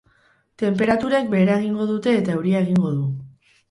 Tenperaturek behera egingo dute eta euria egingo du.